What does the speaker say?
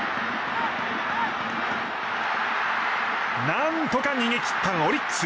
何とか逃げ切ったオリックス。